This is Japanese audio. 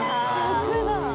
１００だ。